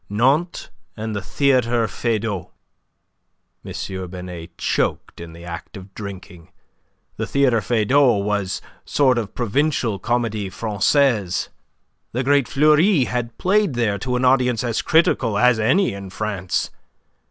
"Nantes and the Theatre Feydau." M. Binet choked in the act of drinking. The Theatre Feydau was a sort of provincial Comedie Francaise. The great Fleury had played there to an audience as critical as any in France.